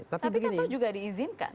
tapi kan itu juga diizinkan